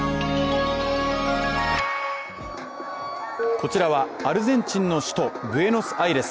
こちらはアルゼンチンの首都ブエノスアイレス。